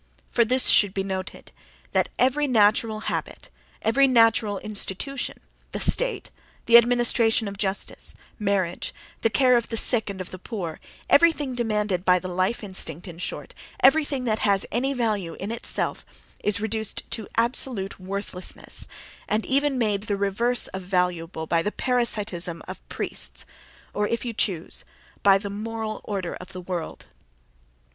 For this should be noted: that every natural habit, every natural institution (the state, the administration of justice, marriage, the care of the sick and of the poor), everything demanded by the life instinct, in short, everything that has any value in itself, is reduced to absolute worthlessness and even made the reverse of valuable by the parasitism of priests (or, if you chose, by the "moral order of the world").